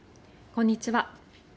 こんにちは。